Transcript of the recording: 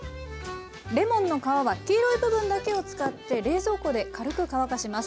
レモンの皮は黄色い部分だけを使って冷蔵庫で軽く乾かします。